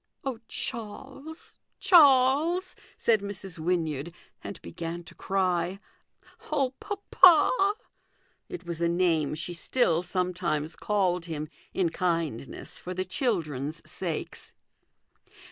'" Oh, Charles, Charles !" said Mrs. Wynyard, and began to cry ;" Oh, papa !" It was a name she still sometimes called him, in kindness, for the children's sakes.